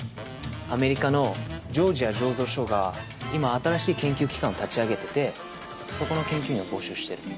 アメリカのジョージア醸造所が今新しい研究機関を立ち上げててそこの研究員を募集してる。